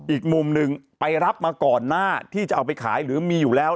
อีกมุมหนึ่งไปรับมาก่อนหน้าที่จะเอาไปขายหรือมีอยู่แล้ว